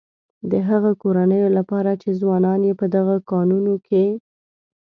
د هغه کورنيو لپاره چې ځوانان يې په دغه کانونو کې.